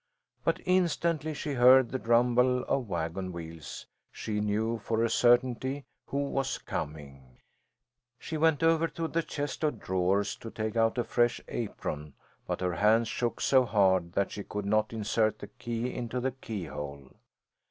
But instantly she heard the rumble of wagon wheels she knew for a certainty who was coming. She went over to the chest of drawers to take out a fresh apron, but her hands shook so hard that she could not insert the key into the keyhole.